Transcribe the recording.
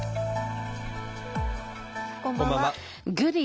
こんばんは。